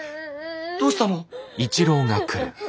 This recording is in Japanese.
どうしたの！？